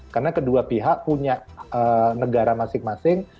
karena kedua pihak punya negara masing masing